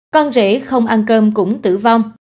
con rể không ăn cơm cũng tử vong